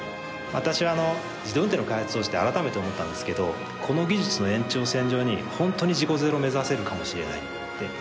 私あの自動運転の開発をして改めて思ったんですけどこの技術の延長線上に本当に事故ゼロ目指せるかもしれないって